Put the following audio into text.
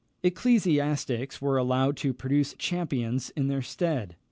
Ecclesiastics were allowed to produce champions in their stead.